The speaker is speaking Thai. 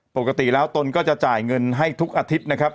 ปกติแล้วตนก็จะจ่ายเงินให้ทุกอาทิตย์นะครับ